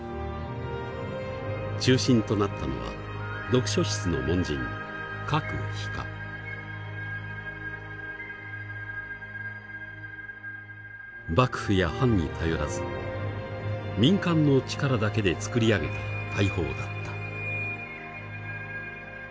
中心となったのは読書室の門人幕府や藩に頼らず民間の力だけで作り上げた大砲だった。